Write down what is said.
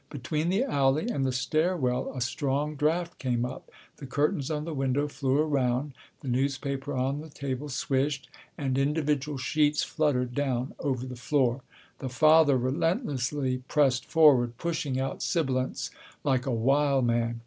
Between the alley and the stairwell a strong draught came up, the curtains on the window flew around, the newspapers on the table swished, and individual sheets fluttered down over the floor. The father relentlessly pressed forward, pushing out sibilants, like a wild man.